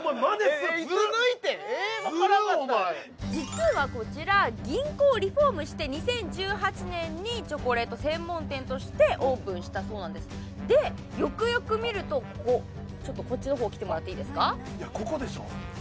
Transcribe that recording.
ズルッズルッお前実はこちら銀行をリフォームして２０１８年にチョコレート専門店としてオープンしたそうなんですでよくよく見るとここちょっとこっちのほう来てもらっていいですかここでしょ？